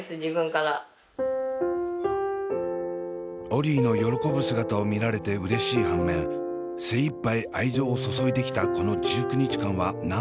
オリィの喜ぶ姿を見られてうれしい反面精いっぱい愛情を注いできたこの１９日間は何だったのか。